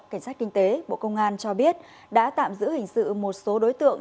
cảnh sát kinh tế bộ công an cho biết đã tạm giữ hình sự một số đối tượng